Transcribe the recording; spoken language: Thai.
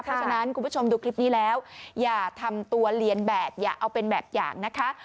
เพราะฉะนั้นคุณผู้ชมดูคลิปนี้แล้วอย่าทำตัวเรียนแบบอย่าเอาเป็นแบบอย่างนะคะ